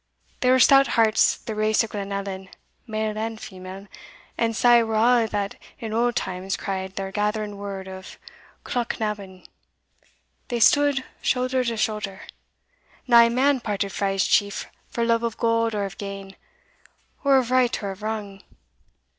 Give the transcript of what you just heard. They were stout hearts the race of Glenallan, male and female, and sae were a' that in auld times cried their gathering word of Clochnaben they stood shouther to shouther nae man parted frae his chief for love of gold or of gain, or of right or of wrang.